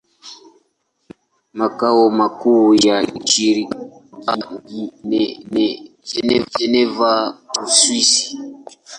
Makao makuu ya shirika ni Geneva, Uswisi.